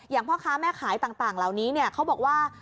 พ่อค้าแม่ขายต่างเหล่านี้เขาบอกว่า